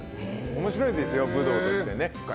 面白いですよ、武道として。